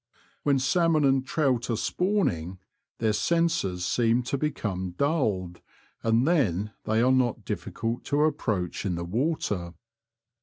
When salmon and trout are spawning their senses seem to become dulled, and then they are not difficult to approach in the water.